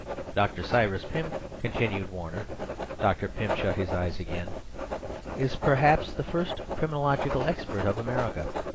"Dr. Cyrus Pym," continued Warner (Dr. Pym shut his eyes again), "is perhaps the first criminological expert of America.